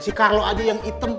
si carlo aja yang hitam